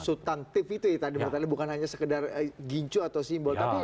substantif itu ya tadi bukan hanya sekedar ginco atau simbol